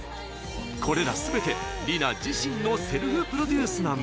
これらすべて、Ｒｉｎａ自身のセルフプロデュースなんです。